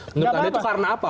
menurut anda itu karena apa